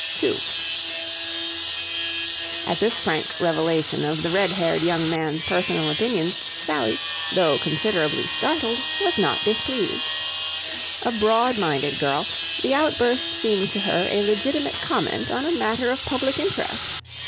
2 At this frank revelation of the red haired young man's personal opinions, Sally, though considerably startled, was not displeased. A broad minded girl, the outburst seemed to her a legitimate comment on a matter of public interest.